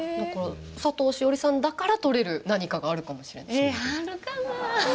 佐藤栞里さんだから撮れる何かがあるかもしれないですよ。